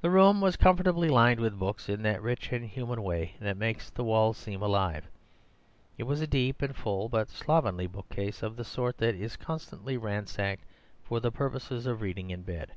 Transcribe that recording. The room was comfortably lined with books in that rich and human way that makes the walls seem alive; it was a deep and full, but slovenly, bookcase, of the sort that is constantly ransacked for the purposes of reading in bed.